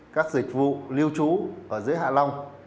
các dịch vụ lưu trú ở dưới hạ long